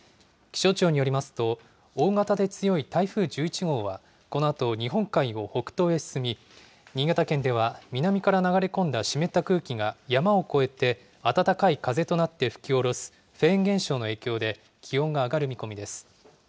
気象庁によりますと、大型で強い台風１１号は、このあと日本海を北東へ進み、新潟県では南から流れ込んだ湿った空気が山を越えて暖かい風となって吹き下ろすフェーン現象の影響で、気温が上がる見込みです。